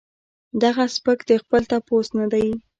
دغه سپک د خپل تپوس نۀ دي